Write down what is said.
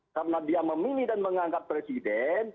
karena dia memilih dan menganggap presiden